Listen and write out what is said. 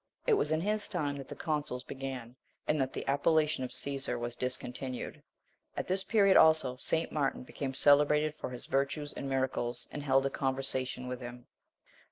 It was in his time that consuls(2) began, and that the appellation of Caesar was discontinued: at this period also, St. Martin became celebrated for his virtues and miracles, and held a conversation with him.